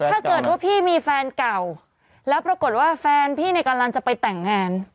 ถ้าเกิดว่าพี่มีแฟนเก่าแล้วปรากฏว่าแฟนพี่เนี่ยกำลังจะไปแต่งงาน